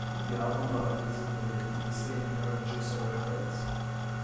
The album got a physical release the same year on Jigsaw Records.